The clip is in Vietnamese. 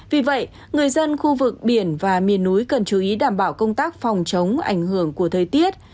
vì vậy người dân khu vực biển và miền núi cần chú ý đảm bảo công tác phòng chống ảnh hưởng của thời tiết